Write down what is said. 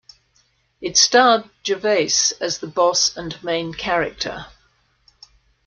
It starred Gervais as the boss and main character.